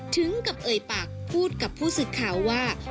ถึงกับเอ่ยปากพูดกับผู้สื่อข่าวว่า